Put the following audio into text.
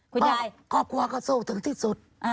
ครูยายครอบครัวก็สู้ถึงที่สุด